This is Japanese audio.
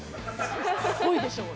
◆すごいでしょう。